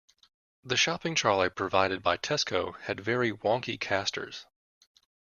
The shopping trolley provided by Tesco had very wonky casters